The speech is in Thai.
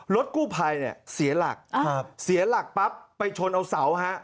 รถกู้ไพเสียหลักเสียหลักปั๊บไปชนเอาเสาร์